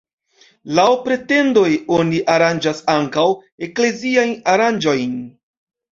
Laŭ pretendoj oni aranĝas ankaŭ ekleziajn aranĝaĵojn.